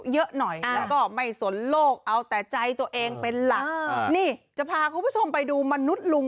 เยอะหน่อยแล้วก็ไม่สนโลกเอาแต่ใจตัวเองเป็นหลักนี่จะพาคุณผู้ชมไปดูมนุษย์ลุง